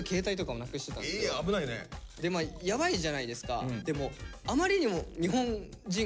でやばいじゃないですか。